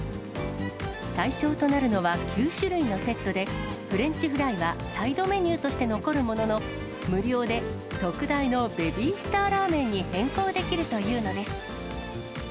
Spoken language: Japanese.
対象となるのは９種類のセットで、フレンチフライはサイドメニューとして残るものの、無料で特大のベビースターラーメンに変更できるというのです。